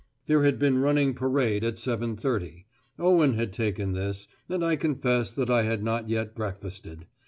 There had been running parade at seven thirty. Owen had taken this, and I confess that I had not yet breakfasted.